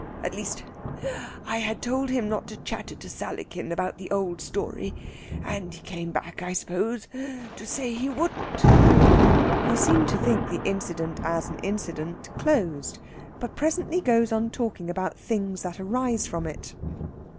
At least, I had told him not to chatter to Sallykin about the old story, and he came back, I suppose, to say he wouldn't." He seemed to think the incident, as an incident, closed; but presently goes on talking about things that arise from it.